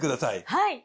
はい。